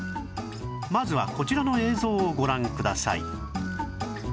まずはこちらの映像をご覧ください